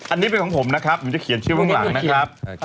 อันนี้เป็นของผมนะครับผมจะเขียนชื่อเบื้องหลังนะครับ